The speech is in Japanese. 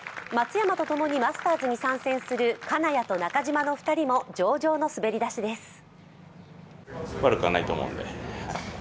松山と共にマスターズに参戦する金谷と中島の２人も上々の滑り出しです。